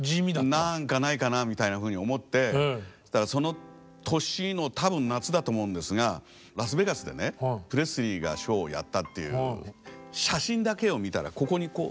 何かないかなみたいなふうに思ってその年の多分夏だと思うんですがラスベガスでねプレスリーがショーをやったっていう写真だけを見たらここにこう何かこんなふうについて。